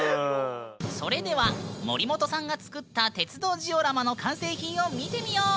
それでは森本さんが作った鉄道ジオラマの完成品を見てみよう！